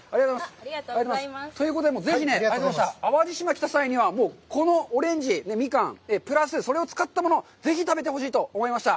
ということで、ぜひね、淡路島に来た際には、このオレンジ、ミカン、プラス、それを使ったもの、ぜひ食べてほしいと思いました。